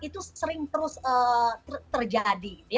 itu sering terus terjadi